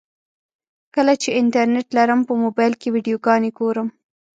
کله چې انټرنټ لرم په موبایل کې ویډیوګانې ګورم.